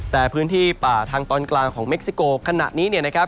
แต่พื้นที่ป่าทางตอนกลางของเม็กซิโกขณะนี้เนี่ยนะครับ